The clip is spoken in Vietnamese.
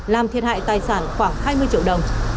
làm thiệt hại tài sản khoảng hai mươi triệu đồng